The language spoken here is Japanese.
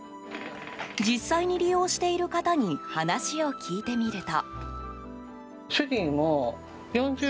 実際に利用している方に話を聞いてみると。